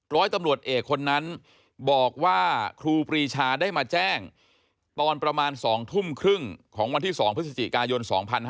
ร้อยตำรวจเอกคนนั้นบอกว่าครูปรีชาได้มาแจ้งตอนประมาณ๒ทุ่มครึ่งของวันที่๒พฤศจิกายน๒๕๕๙